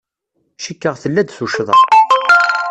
Cikkeɣ tella-d tuccḍa.